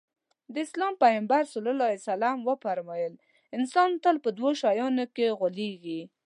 د اسلام پيغمبر ص وفرمايل انسان تل په دوو شيانو کې غولېږي.